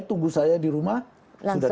tunggu saya di rumah sudah